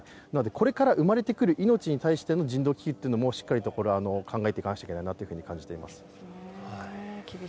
これから生まれてくる命に対しての人道危機というのも、しっかりとこれ、考えていかないとと感じています。